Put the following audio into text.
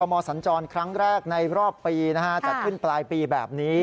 มสัญจรครั้งแรกในรอบปีนะฮะจัดขึ้นปลายปีแบบนี้